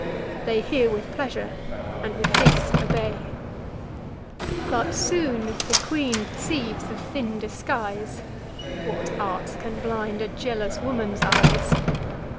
They hear with pleasure, and with haste obey. But soon the queen perceives the thin disguise: (What arts can blind a jealous woman's eyes!)